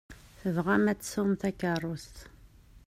Tembɣam ad tesɛum takeṛṛust.